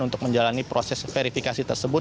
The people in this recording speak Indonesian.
untuk menjalani proses verifikasi tersebut